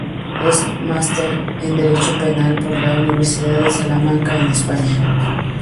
Es Máster en Derecho Penal por la Universidad de Salamanca en España.